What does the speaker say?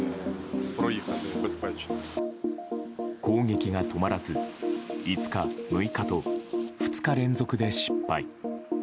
攻撃が止まらず５日、６日と２日連続で失敗。